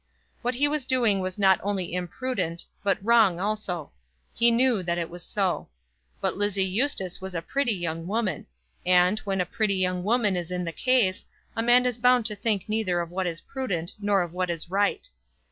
What he was doing was not only imprudent, but wrong also. He knew that it was so. But Lizzie Eustace was a pretty young woman; and, when a pretty young woman is in the case, a man is bound to think neither of what is prudent, nor of what is right.